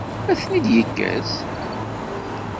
Ad ten-id-yekkes?